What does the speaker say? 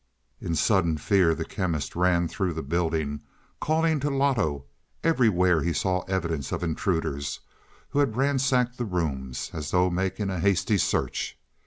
In sudden fear the Chemist ran through the building, calling to Loto. Everywhere he saw evidence of intruders, who had ransacked the rooms, as though making a hasty search.